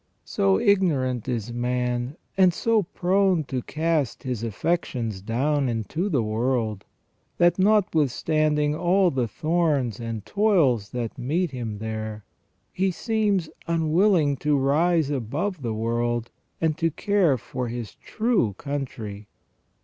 So ignorant is man, and so prone to cast his affections down into the world, that notwithstanding all the thorns and toils that meet him there, he seems unwilling to rise above the world, and to care for his true country.